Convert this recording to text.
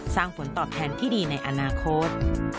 ผลตอบแทนที่ดีในอนาคต